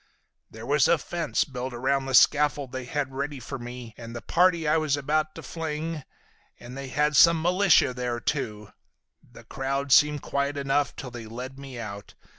"There was a fence built around the scaffold they had ready for me and the party I was about to fling, and they had some militia there, too. The crowd seemed quiet enough till they led me out.